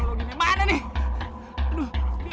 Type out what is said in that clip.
eh udah ikutin jurus gue